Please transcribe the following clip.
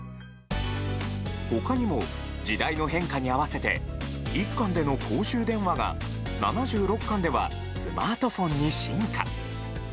他にも、時代の変化に合わせて１巻での公衆電話が７６巻ではスマートフォンに進化。